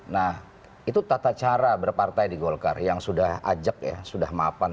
nah itu tata cara berpartai di golkar yang sudah ajak ya sudah mapan